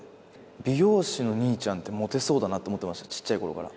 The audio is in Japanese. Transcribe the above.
美容師の兄ちゃんって、モテそうだなと思ってました、ちっちゃいころから。